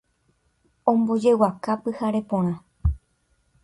Ombojeguaka pyhare porã